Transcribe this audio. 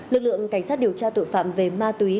lực lượng cảnh sát điều tra tội phạm về ma túy